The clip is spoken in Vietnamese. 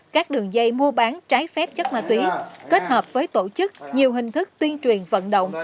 các đường dây mua bán trái phép chất ma túy kết hợp với tổ chức nhiều hình thức tuyên truyền vận động